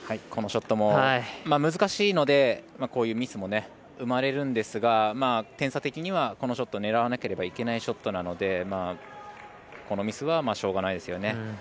このショットも難しいのでこういうミスも生まれるんですが点差的には、このショット狙わなければいけないショットなのでこのミスはしょうがないですよね。